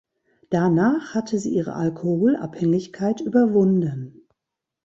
Danach hatte sie ihre Alkoholabhängigkeit überwunden.